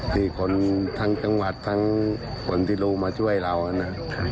ที่คนทั้งจังหวัดทั้งคนที่รู้มาช่วยเรานะ